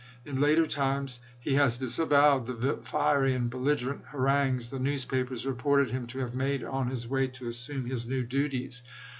In later times he has disavowed the fiery and belliger ent harangues the newspapers reported him to have made on his way to assume his new duties.